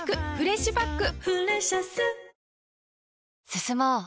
進もう。